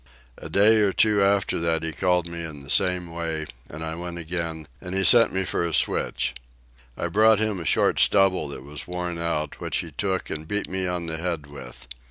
A day or to after that he called me in the same way, and I went again, and he sent me for a switch. I brought him a short stubble that was worn out, which he took and beat me on the head with.